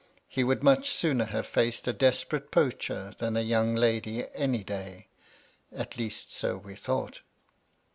He would much sooner have faced a des perate poacher than a young lady any day. At least so we thought.